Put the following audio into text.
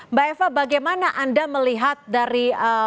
mbak eva bagaimana anda melihat dari